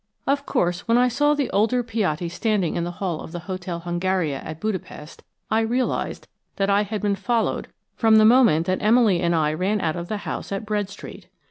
Of course, when I saw the older Piatti standing in the hall of the Hotel Hungaria at Budapest I realised that I had been followed from the moment that Emily and I ran out of the house at Bread Street.